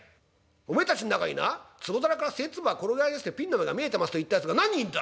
おめえたちん中にな壺皿から賽っ粒が転がり落ちてピンの目が見えてますと言ったやつが何人いんだ。